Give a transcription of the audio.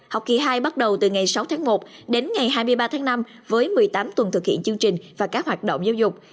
học kỳ hai bắt đầu từ ngày sáu tháng một đến ngày hai mươi ba tháng năm với một mươi tám tuần thực hiện chương trình và các hoạt động giáo dục